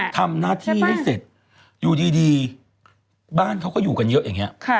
ทำหน้าที่ให้เสร็จอยู่ดีบ้านเขาก็อยู่กันเยอะอย่างนี้